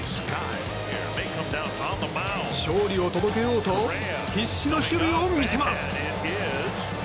勝利を届けようと必死の守備を見せます。